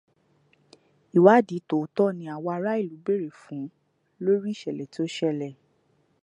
Ìwádìí tòótó ni àwọn ará ìlú bèrè fún lórí ìṣẹ̀lẹ̀ tó ṣẹlẹ̀.